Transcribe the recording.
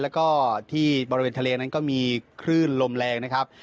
และก็ที่บริเวณทะเลก็มีคลื่นลมแรงครับ